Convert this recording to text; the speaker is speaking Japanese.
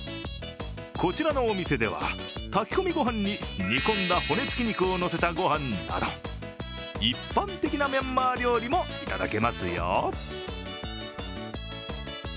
こちらのお店では、炊き込みご飯に煮込んだ骨つき肉をのせたご飯など、一般的なミャンマー料理もいただけますよ。